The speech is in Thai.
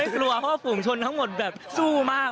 ไม่แต่ไม่กลัวเพราะว่าฝูงชนทั้งหมดแบบสู้มาก